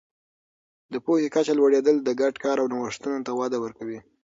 د پوهې کچه لوړېدل د ګډ کار او نوښتونو ته وده ورکوي.